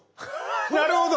なるほど。